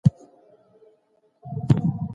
ستاسو یوه جمله بل کس هڅولی سي.